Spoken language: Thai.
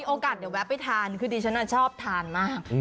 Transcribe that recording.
โอกาสเดี๋ยวแวะไปทานคือดิฉันชอบทานมาก